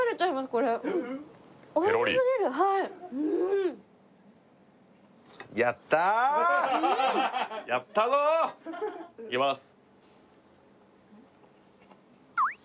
これおいしすぎるはいやったぞいきます